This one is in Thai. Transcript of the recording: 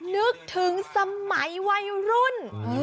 นึกถึงสมัยวัยรุ่น